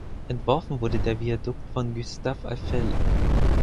Entworfen wurde der Viadukt von Gustave Eiffel.